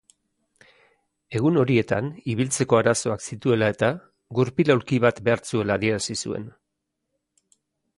Egun horietan, ibiltzeko arazoak zituela eta gurpil-aulki bat behar zuela adierazi zuen.